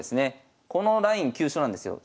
このライン急所なんですよ。